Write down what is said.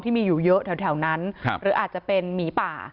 ที่มีอยู่เยอะแถวนั้นหรืออาจจะเป็นหมีป่า